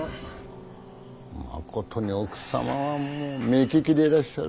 まことに奥様は目利きでいらっしゃる。